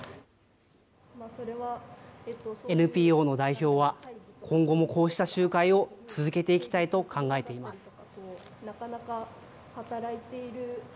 ＮＰＯの代表は、今後もこうした集会を続けていきたいと考えています。